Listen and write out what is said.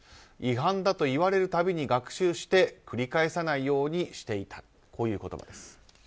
違反だと言われる度に学習して繰り返さないようにしていたという言葉です。